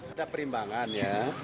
ada perimbangan ya